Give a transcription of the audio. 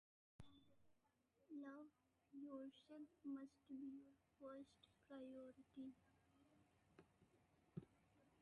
A gospel stage play preceded the film.